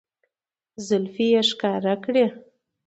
زلفې يې ښکاره کړې